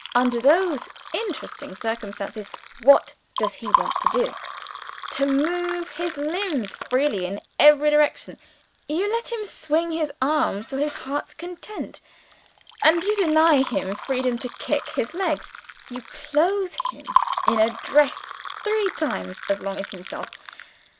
Under those interesting circumstances, what does he want to do? To move his limbs freely in every direction. You let him swing his arms to his heart's content and you deny him freedom to kick his legs. You clothe him in a dress three times as long as himself.